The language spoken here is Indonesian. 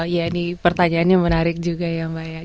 ya ini pertanyaannya menarik juga ya mbak ya